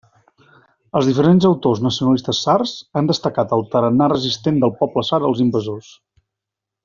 Els diferents autors nacionalistes sards han destacat el tarannà resistent del poble sard als invasors.